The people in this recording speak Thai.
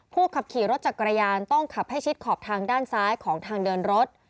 ขับขี่รถจักรยานต้องขับให้ชิดขอบทางด้านซ้ายของทางเดินรถ